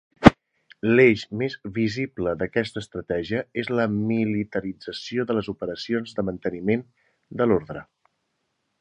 L'eix més visible d'aquesta estratègia és la militarització de les operacions de manteniment de l'ordre.